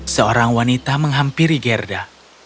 seorang wanita menghampiri gerda